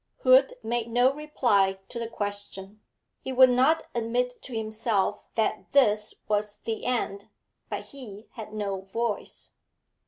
Hood made no reply to the question. He would not admit to himself that this was the end, but he had no voice.